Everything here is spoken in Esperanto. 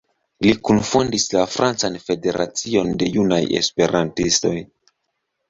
Li kunfondis la Francan Federacion de Junaj Esperantistoj.